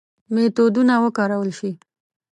میتودونه وکارول شي.